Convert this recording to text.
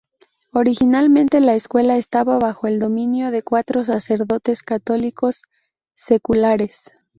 Originalmente, la escuela estaba bajo el dominio de cuatro sacerdotes católicos seculares.